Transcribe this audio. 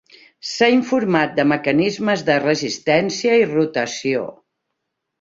S'ha informat de mecanismes de resistència i rotació.